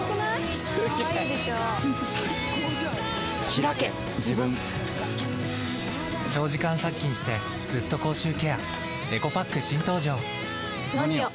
ひらけ自分長時間殺菌してずっと口臭ケアエコパック新登場！